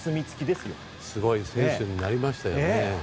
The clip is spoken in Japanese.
すごい選手になりましたよ。